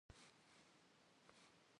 Dene dêjj vuzır?